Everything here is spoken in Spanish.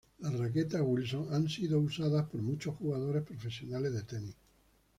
Las raquetas Wilson se han usado por muchos jugadores profesionales de Tenis.